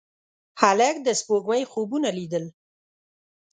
هلک د سپوږمۍ خوبونه لیدل.